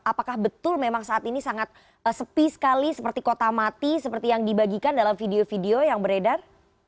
apakah betul memang saat ini sangat sepi sekali seperti kota mati seperti yang dibagikan dalam video video yang beredar